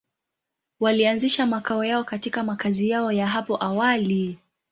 Walianzisha makao yao katika makazi yao ya hapo awali.